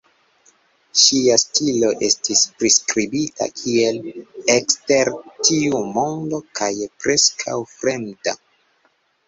Ŝia stilo estis priskribita kiel "ekster tiu mondo" kaj "preskaŭ fremda".